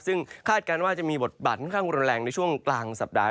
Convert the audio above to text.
ซึ่งคาดการณ์ว่าจะมีบทบาทค่อนข้างแรงในช่วงกลางสัปดาห